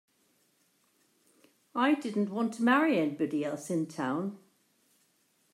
I didn't want to marry anybody else in town.